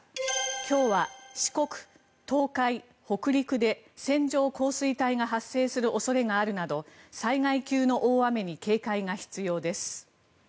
今日は四国、東海、北陸で線状降水帯が発生する恐れがあるなど災害級の大雨に警戒が必要です。